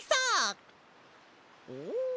お！